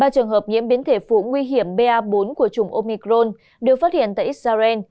ba trường hợp nhiễm biến thể phụ nguy hiểm ba bốn của chủng omicron được phát hiện tại israel